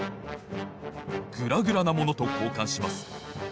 グラグラなものとこうかんします。